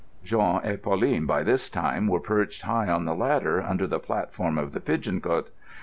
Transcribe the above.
Jean and Pauline by this time were perched high on the ladder, under the platform of the pigeon cote.